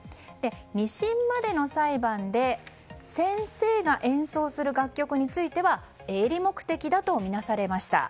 ２審までの裁判で先生が演奏する楽曲については営利目的だとみなされました。